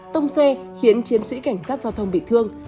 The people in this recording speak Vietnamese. tông xe khiến chiến sĩ cảnh sát giao thông bị thương